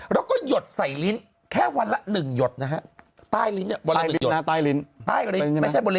แล้วก็หยดใส่ลิ้นแค่วันละหนึ่งหยดนะฮะ